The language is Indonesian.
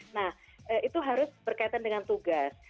nah itu harus berkaitan dengan tugas